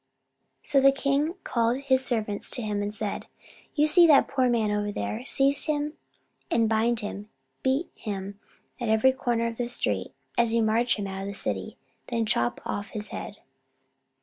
So the king called his servants to him and said: "You see that poor man over there? Seize him and bind him, beat him at every corner of the street as you march him out of the city, and then chop off his head."